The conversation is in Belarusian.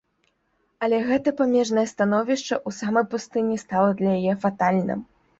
Але гэта памежнае становішча ў самай пустыні стала для яе фатальным.